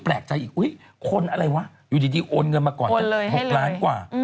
แปลกใจอีกคนอะไรวะอยู่ดีโอนเงินมาก่อนสัก๖ล้านกว่า